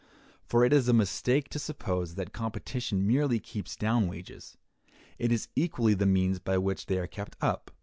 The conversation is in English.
For it is a mistake to suppose that competition merely keeps down wages. It is equally the means by which they are kept up.